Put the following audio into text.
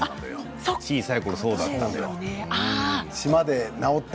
小さいころそうだった。